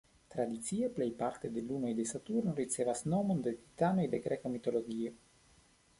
Tradicie, plejparte de lunoj de Saturno ricevas nomon de titanoj de greka mitologio.